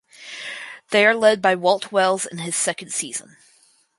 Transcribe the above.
They are led by Walt Wells in his second season.